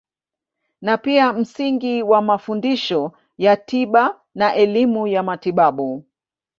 Ni pia msingi wa mafundisho ya tiba na elimu ya matibabu.